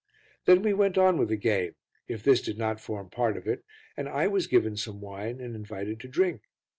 Then we went on with the game, if this did not form part of it, and I was given some wine and invited to drink.